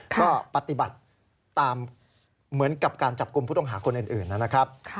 ก็ปฏิบัติตามเหมือนกับการจับกลุ่มผู้ต้องหาคนอื่นนะครับ